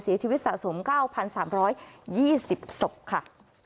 เสียชีวิตสะสม๙๓๒๐ศพค่ะ